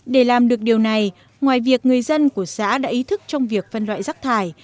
để làm được điều này ngoài việc người dân của xã đã ý thức trong việc phân loại rác thải